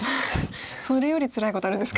それよりつらいことあるんですか。